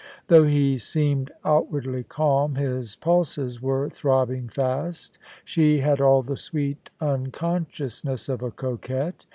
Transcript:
Though he seemed out wardly calm, his pulses were throbbing fast She had all the sweet unconsciousness of a coquette.